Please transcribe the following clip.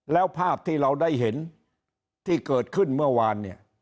แล้วภาพที่เราได้เห็นที่เกิดขึ้นเมื่อวานเนี่ย